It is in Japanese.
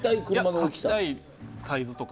描きたいサイズとか。